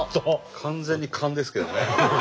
完全に勘ですけどね。